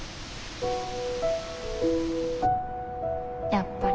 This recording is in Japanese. やっぱり。